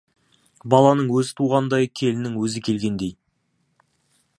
Баланың өзі туғандай, келіннің өзі келгендей.